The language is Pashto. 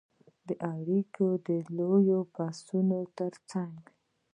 د اړیکو د لویو بحثونو ترڅنګ